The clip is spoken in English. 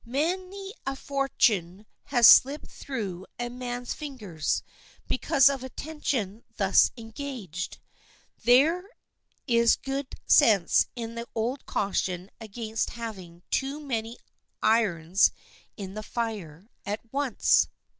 Many a fortune has slipped through a man's fingers because of attention thus engaged; there is good sense in the old caution against having too many irons in the fire at once.